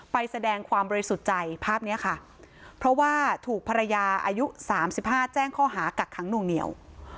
แสดงความบริสุทธิ์ใจภาพนี้ค่ะเพราะว่าถูกภรรยาอายุ๓๕แจ้งข้อหากักขังหน่วงเหนียว